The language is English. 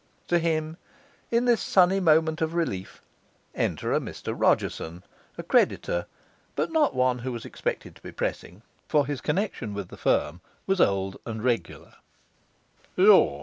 To him, in this sunny moment of relief, enter a Mr Rodgerson, a creditor, but not one who was expected to be pressing, for his connection with the firm was old and regular.